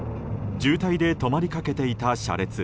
渋滞で止まりかけていた車列。